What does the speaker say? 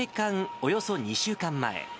およそ２週間前。